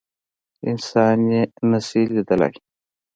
انسان يي نشي لیدلی